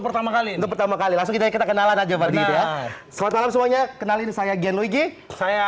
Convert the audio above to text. pertama kali pertama kali langsung kita kenalan aja pada saat semuanya kenalin saya genuji saya